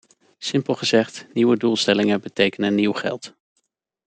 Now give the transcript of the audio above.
Simpel gezegd: nieuwe doelstellingen betekenen nieuw geld.